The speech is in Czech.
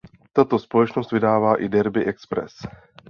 Tato společnost vydává i "Derby Express".